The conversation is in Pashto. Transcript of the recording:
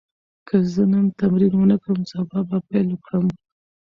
که زه نن تمرین ونه کړم، سبا به پیل کړم.